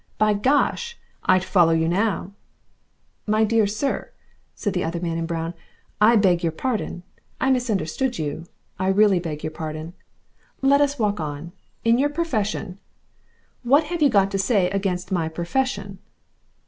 "By Gosh! I'd follow you now " "My dear sir," said the other man in brown, "I beg your pardon. I misunderstood you. I really beg your pardon. Let us walk on. In your profession " "What have you got to say against my profession?"